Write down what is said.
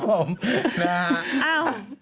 กลอบกูอีกแล้ว